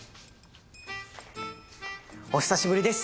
お久しぶりです